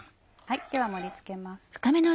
では盛り付けます。